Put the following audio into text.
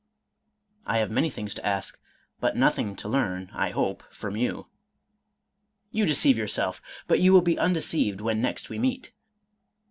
—" I have many things to ask, but nothing to learn, I hope, from you." " You deceive yourself, but you will be undeceived when next we meet."